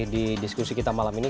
di diskusi kita malam ini